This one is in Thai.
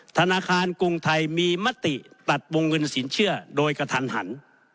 ธนาคารกรุงไทยมีมติตัดวงเงินสินเชื่อโดยกระทันหัน